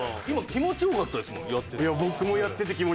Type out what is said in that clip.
今気持ちよかったですもんやってて。